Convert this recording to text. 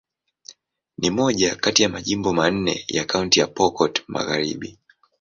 Ni moja kati ya majimbo manne ya Kaunti ya Pokot Magharibi.